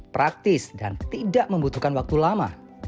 praktis dan tidak membutuhkan waktu lama